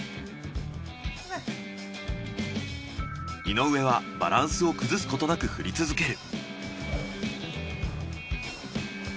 井上はバランスを崩すことなく振り続ける。